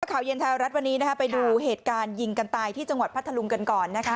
ข่าวเย็นไทยรัฐวันนี้ไปดูเหตุการณ์ยิงกันตายที่จังหวัดพัทธลุงกันก่อนนะคะ